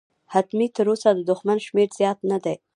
حتمي، تراوسه د دښمن شمېر زیات نه دی.